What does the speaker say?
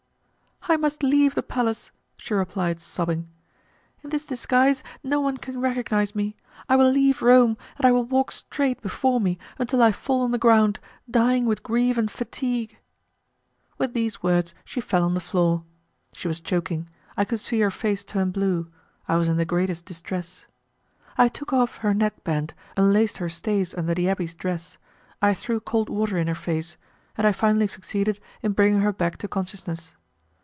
"I must leave the palace," she replied, sobbing. "In this disguise no one can recognize me; I will leave Rome, and I will walk straight before me until I fall on the ground, dying with grief and fatigue." With these words she fell on the floor. She was choking; I could see her face turn blue; I was in the greatest distress. I took off her neck band, unlaced her stays under the abbé's dress, I threw cold water in her face, and I finally succeeded in bringing her back to consciousness.